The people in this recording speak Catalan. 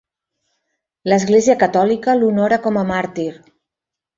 L'Església Catòlica l'honora com a màrtir.